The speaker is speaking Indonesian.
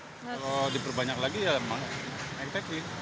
kalau diperbanyak lagi ya memang enteck nih